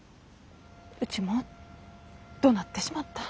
うちもどなってしまった。